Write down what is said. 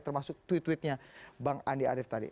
termasuk tweet tweetnya bang andi arief tadi